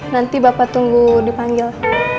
nanti bapak tunggu dipanggil